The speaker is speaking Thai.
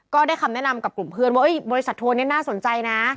ก็ได้คำแนะนำกับกลุ่มเพื่อนว่าบริษัททัวร์นี้น่าสนใจนะ